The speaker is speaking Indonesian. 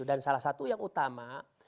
dan salah satu yang utama